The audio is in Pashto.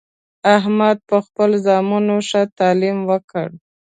احمد په خپلو زامنو ښه تعلیم وکړ